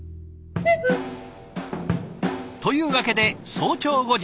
というわけで早朝５時。